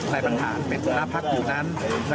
ในปัญหาเม็ดหน้าพักอยู่นั้น